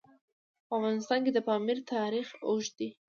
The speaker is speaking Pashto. په افغانستان کې د پامیر تاریخ اوږد دی.